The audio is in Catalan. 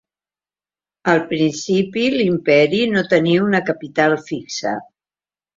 Al principi l'imperi no tenia una capital fixa.